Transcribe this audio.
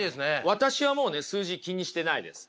私はもうね数字気にしてないです。